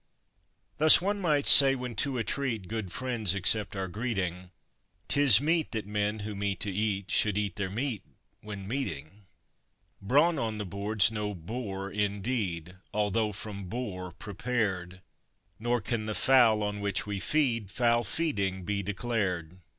Thus, one might say, when to a treat good friends accept our greeting, 'Tis meet that men who meet to eat should eat their meat when meeting. Brawn on the board's no bore indeed although from boar prepared; Nor can the fowl, on which we feed, foul feeding he declared.